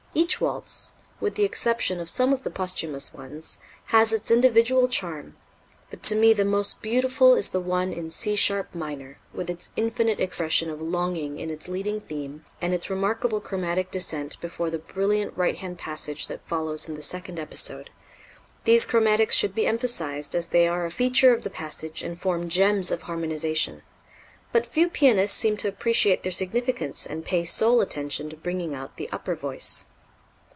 Each waltz, with the exception of some of the posthumous ones, has its individual charm, but to me the most beautiful is the one in C sharp minor, with its infinite expression of longing in its leading theme and its remarkable chromatic descent before the brilliant right hand passage that follows in the second episode. These chromatics should be emphasized, as they are a feature of the passage and form gems of harmonization. But few pianists seem to appreciate their significance and pay sole attention to bringing out the upper voice.